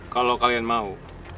kalau kalian mau